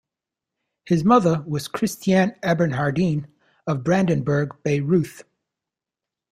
His mother was Christiane Eberhardine of Brandenburg-Bayreuth.